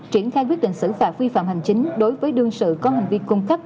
triển khai quyết định xử phạt vi phạm hành chính đối với đương sự có hành vi cung cấp